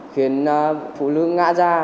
khiến phụ nữ ngã ra